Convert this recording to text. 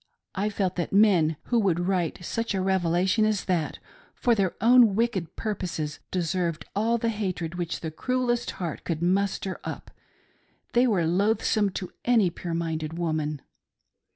I felt that men who would write such a revelation as that for their own wicked purposes deserved all the hatred which the cruellest heart could muster up — they were loathesome to any pure minded woman.